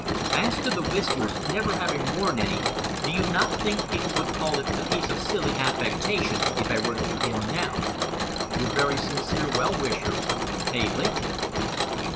As to the whiskers, never having worn any, do you not think people would call it a piece of silly affectation if I were to begin now? Your very sincere well wisher, A. Lincoln.